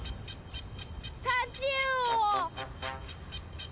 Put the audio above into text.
タチウオ。